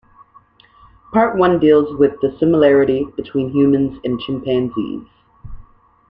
Part one deals with the similarity between humans and chimpanzees.